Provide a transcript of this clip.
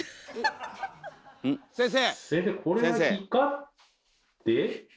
先生！